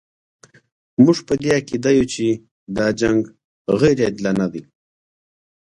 موږ په دې عقیده یو چې دا جنګ غیر عادلانه دی.